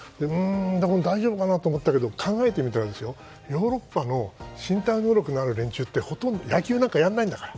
大丈夫かなと思ったら考えてみたら、ヨーロッパの身体能力のある連中って野球なんかやらないんだから。